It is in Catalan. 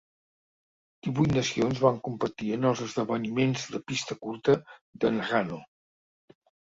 Divuit nacions van competir en els esdeveniments de pista curta de Nagano.